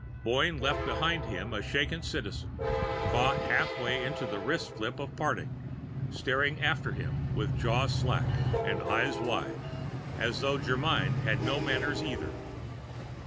Boyne left behind him a shaken Citizen, caught halfway into the wrist flip of parting, staring after him with jaw slack and eyes wide, as though Germyn had no manners, either.